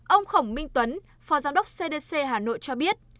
ông khổng minh tuấn phó giám đốc cdc hà nội cho biết